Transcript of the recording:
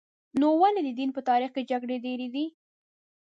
نو ولې د دین په تاریخ کې جګړې ډېرې دي؟